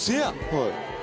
はい。